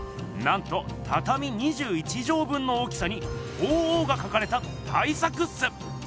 なんとたたみ２１畳分の大きさに鳳凰がかかれた大作っす！